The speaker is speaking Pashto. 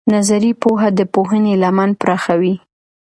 نظري پوهه د پوهنې لمن پراخوي.